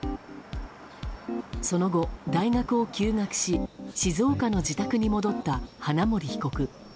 その後、大学を休学し静岡の自宅に戻った花森被告。